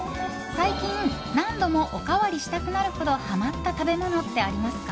最近、何度もおかわりしたくなるほどハマった食べ物ってありますか？